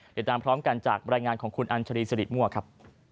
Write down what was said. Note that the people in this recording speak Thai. เดี๋ยวตามพร้อมกันจากบรรยายงานของคุณอัญชรีสริมั่วครับ